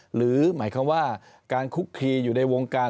หรือหมายความว่าการคุกคีอยู่ในวงการ